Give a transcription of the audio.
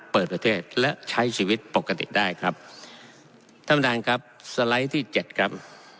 เปิดประเทศและใช้ชีวิตปกติได้ครับสำหรับสังการครับที่เจ็ดครับ